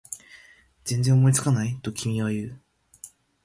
全然思いつかない？と君は言う